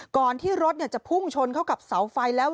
ก่อนที่รถจะพุ่งชนเข้ากับเสาไฟแล้ว